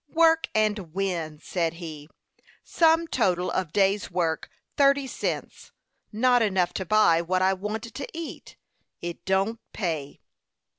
"Work and win!" said he. "Sum total of day's work, thirty cents; not enough to buy what I want to eat. It don't pay."